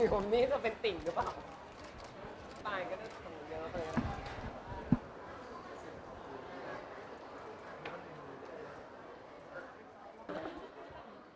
ผมมี่จะเป็นติ่งหรือเปล่า